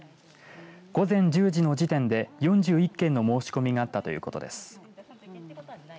午前１０時の時点で４１件の申し込みがあったということです。